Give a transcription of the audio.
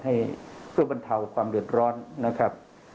ให้เพื่อบรรเทาความเดือดร้อนนะครับ